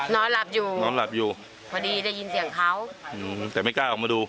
นอนหลับอยู่นอนหลับอยู่พอดีได้ยินเสียงเขาแต่ไม่กล้าออกมาดู